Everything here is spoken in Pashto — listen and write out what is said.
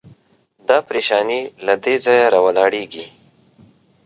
دا پرېشاني له دې ځایه راولاړېږي.